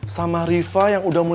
sama riva yang udah muda